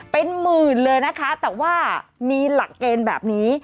เป็นหมื่นเลยนะคะแต่ว่ามีหลักเกณฑ์แบบนี้